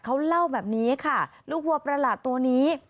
เขาเล่าแบบนี้ค่ะลูกวัวประหลาดตัวนี้